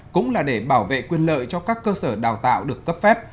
cũng là để bảo vệ quyền lợi cho các cơ sở đào tạo được cấp phép